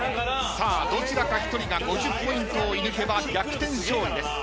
どちらか１人が５０ポイントを射抜けば逆転勝利です。